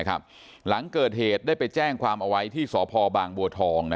หลังเกิดเหตุได้ไปแจ้งความเอาไว้ที่สพบางบัวทอง